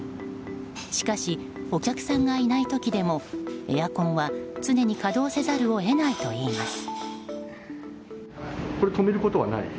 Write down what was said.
しかし、お客さんがいない時でもエアコンは常に稼働せざるを得ないといいます。